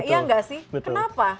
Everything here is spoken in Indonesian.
iya nggak sih kenapa